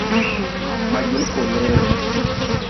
Ma juli koleere.